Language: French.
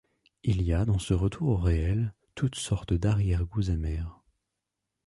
Il y a dans ce retour au réel toutes sortes d’arrière-goûts amers.